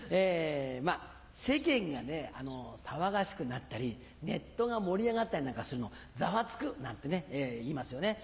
世間が騒がしくなったりネットが盛り上がったりするの「ざわつく」なんていいますよね。